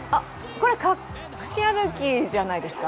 これ、確信歩きじゃないですか？